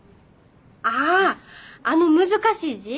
ああーあの難しい字？